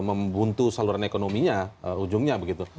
membuntu saluran ekonominya ujungnya begitu